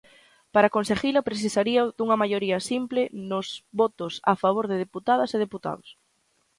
Para conseguila, precisaría dunha maioría simple nos votos a favor de deputadas e deputados.